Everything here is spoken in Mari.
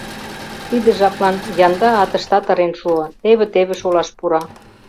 Тиде жаплан янда атыштат ырен шуо — теве-теве шолаш пура.